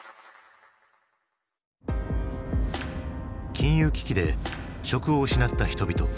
金融危機で職を失った人々。